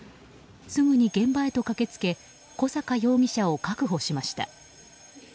すぐに現場へと駆けつけ小阪容疑者を確保しました。